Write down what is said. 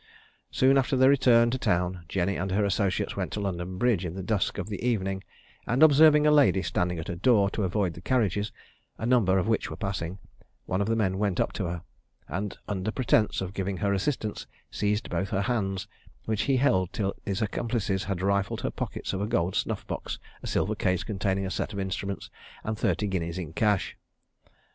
Soon after their return to town Jenny and her associates went to London Bridge in the dusk of the evening, and, observing a lady standing at a door to avoid the carriages, a number of which were passing, one of the men went up to her, and, under pretence of giving her assistance, seized both her hands, which he held till his accomplices had rifled her pockets of a gold snuff box, a silver case containing a set of instruments, and thirty guineas in cash.